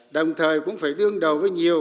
đồng thời cũng phải đương đầu với nhiều